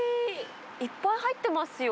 いっぱい入ってますよ。